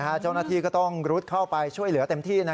เจ้าหน้าที่ก็ต้องรุดเข้าไปช่วยเหลือเต็มที่